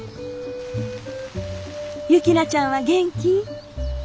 雪菜ちゃんは元気？